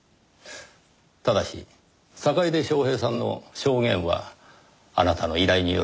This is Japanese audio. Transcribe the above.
ただし坂出昌平さんの証言はあなたの依頼による偽証ですね？